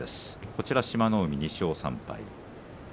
こちら志摩ノ海、２勝３敗。